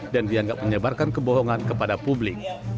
dan dianggap menyebarkan kebohongan kepada publik